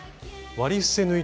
割り伏せ縫い。